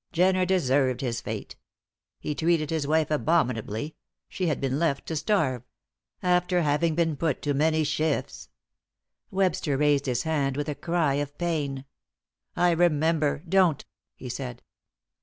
"Jenner deserved his fate. He treated his wife abominably; she had been left to starve. After having been put to many shifts " Webster raised his hand with a cry of pain. "I remember; don't!" he said.